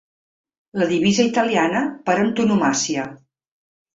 La divisa italiana per antonomàsia.